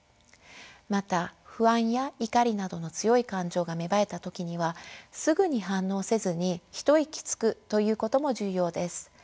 また不安や怒りなどの強い感情が芽生えた時にはすぐに反応せずにひと息つくということも重要です。